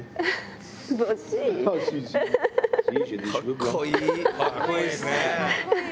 かっこいいですね。